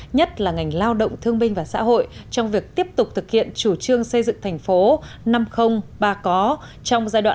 nhất là ngành lao động thương binh và xã hội trong việc tiếp tục thực hiện chủ trương xây dựng thành phố năm ba có trong giai đoạn hai nghìn một mươi hai nghìn hai mươi